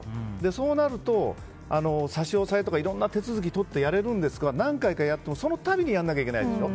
そうなると、差し押さえとかいろんな手続きをやれるんですが何回かやったら、その度にやらなきゃいけないでしょ。